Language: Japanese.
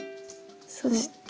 そして。